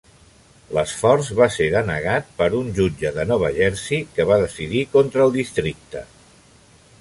L'esforç va ser denegat per un jutge de Nova Jersey que va decidir contra el districte.